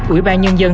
ủy ban nhân dân